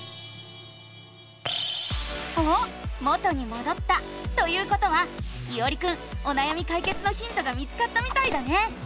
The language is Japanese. おっ元にもどったということはいおりくんおなやみかいけつのヒントが見つかったみたいだね！